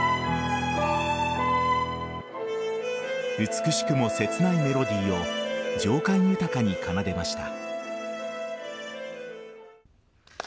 美しくも切ないメロディーを情感豊かに奏でました。